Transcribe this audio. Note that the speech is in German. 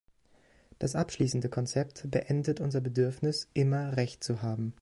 Das abschließende Konzept beendet unser Bedürfnis, immer Recht zu haben.